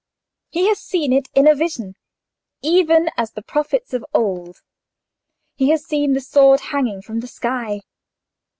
He has seen it in a vision, even as the prophets of old: he has seen the sword hanging from the sky."